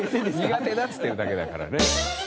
苦手だっつってるだけだからね。